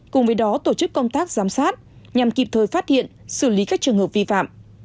cùng với đó tổ chức công tác giám sát nhằm kịp thời phát hiện xử lý các trường hợp vi phạm